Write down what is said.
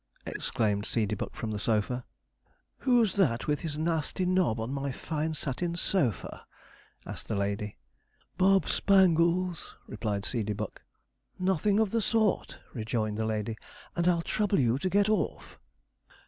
exclaimed Seedeybuck from the sofa. 'Who's that with his nasty nob on my fine satin sofa?' asked the lady. 'Bob Spangles,' replied Seedeybuck. 'Nothing of the sort,' rejoined the lady; 'and I'll trouble you to get off.'